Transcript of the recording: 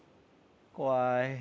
怖い。